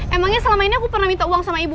emangnya selama ini aku pernah minta uang sama ibu